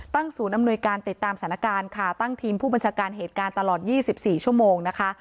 ศูนย์อำนวยการติดตามสถานการณ์ค่ะตั้งทีมผู้บัญชาการเหตุการณ์ตลอด๒๔ชั่วโมงนะคะ